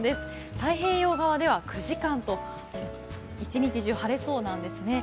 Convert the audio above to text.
太平洋側では９時間と一日中晴れそうなんですね。